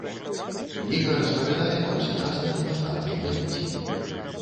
Кніга распавядае аб сучасным мастацкім жыцці.